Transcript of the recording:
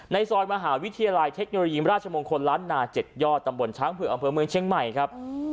ในซอยมหาวิทยาลัยเทคโนโลยีมราชมงคลล้านนา๗ยอดตำบลช้างเผือกอำเภอเมืองเชียงใหม่ครับ